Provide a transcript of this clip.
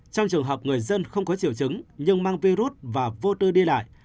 trong trường hợp người dân không có triệu chứng nhưng mang virus và vô tư đi lại